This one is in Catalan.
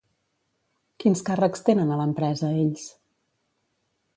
Quins càrrecs tenen a l'empresa ells?